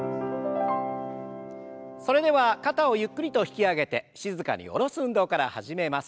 それでは肩をゆっくりと引き上げて静かに下ろす運動から始めます。